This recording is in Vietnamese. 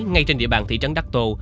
ngay trên địa bàn thị trấn đắc tô